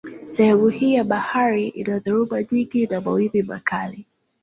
Sehemu hii ya bahari ina dhoruba nyingi na mawimbi makali.